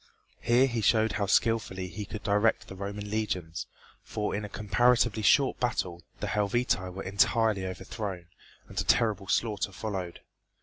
Here he showed how skilfully he could direct the Roman legions, for in a comparatively short battle the Helvetii were entirely overthrown, and a terrible slaughter followed.